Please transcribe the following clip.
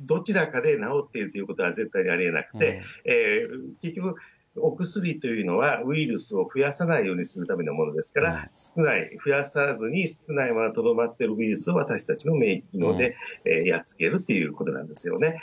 どちらかで治っているということは絶対にありえなくて、結局お薬というのは、ウイルイスを増やさないためにするものですから、少ない、増やさずに少ないままとどまっているウイルスを私たちの免疫機能でやっつけるということなんですよね。